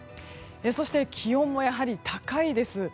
そして気温もやはり高いです。